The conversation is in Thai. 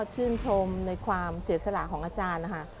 ชื่นชมในความเสียสละของอาจารย์นะคะ